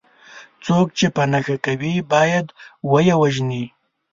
څوک چې په نښه کوي باید وه یې وژني.